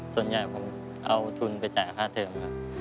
ส่วนใหญ่ผมเอาทุนไปจ่ายค่าเทิมครับ